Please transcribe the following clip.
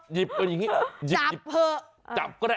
หยิบเอาอย่างนี้หยิบหยิบจับเผลอ